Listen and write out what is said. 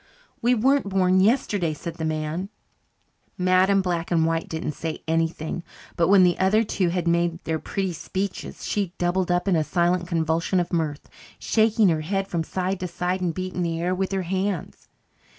"We weren't born yesterday," said the man. Madam Black and White didn't say anything, but when the other two had made their pretty speeches she doubled up in a silent convulsion of mirth, shaking her head from side to side and beating the air with her hands.